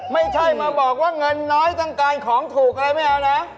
ไม่ใช่มาบอกว่าเงินน้อยต้องการของถูกอะไรไม่เอานะ